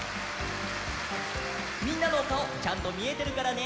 みんなのおかおちゃんとみえてるからね。